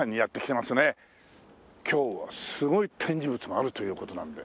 今日はすごい展示物があるという事なんで。